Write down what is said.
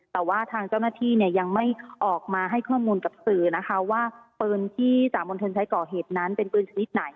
แต่ว่าทางเจ้าหน้าที่เนี่ยยังไม่ออกมาให้ข้อมูลกับสื่อนะคะว่าปืนที่สามณฑลใช้ก่อเหตุนั้นเป็นปืนชนิดไหน